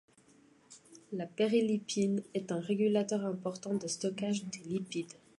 La périlipine est un régulateur important du stockage des lipides.